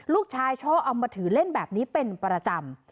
ชอบเอามาถือเล่นแบบนี้เป็นประจำ